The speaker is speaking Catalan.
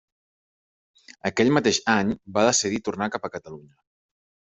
Aquell mateix any va decidir tornar cap a Catalunya.